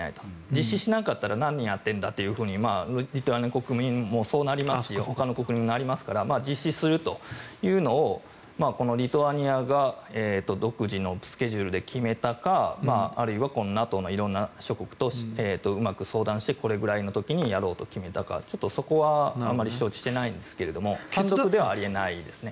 実施しなかったら何をやっているんだとリトアニアの国民もなりますしほかの国民もなりますから実施するというのをこのリトアニアが独自のスケジュールで決めたかあるいは、ＮＡＴＯの色んな諸国とうまく相談してこれぐらいの時にやろうと決めたかちょっとそこはあまり承知していないんですが単独ではあり得ないですね。